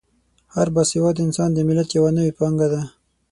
هر با سواده انسان د ملت یوه نوې پانګه ده.